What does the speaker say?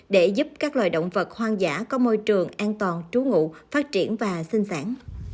để giúp các loài động vật hoang dã có môi trường an toàn trú ngụ phát triển và sinh sản